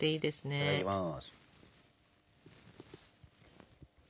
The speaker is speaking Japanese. いただきます。